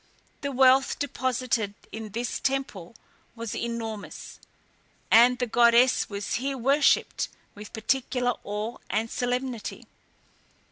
The wealth deposited in this temple was enormous, and the goddess was here worshipped with particular awe and solemnity.